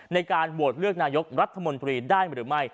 ในการโหวตเลือกนายกรัฐมนตรีได้หรือไม่